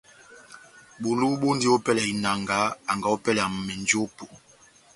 Bulu bɔndi ópɛlɛ ya inanga anga ópɛlɛ ya menjopo.